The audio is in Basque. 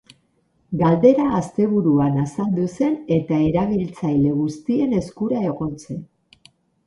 Galdera asteburuan azaldu zen eta erabiltzaile guztien eskura egon zen.